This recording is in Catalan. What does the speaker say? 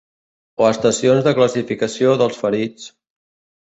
O estacions de classificació dels ferits